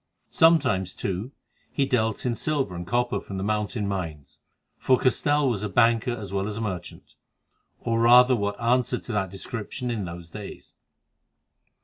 Sometimes, too, he dealt in silver and copper from the mountain mines, for Castell was a banker as well as a merchant, or rather what answered to that description in those days.